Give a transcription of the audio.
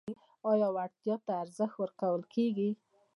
آیا وړتیا ته ارزښت ورکول کیږي؟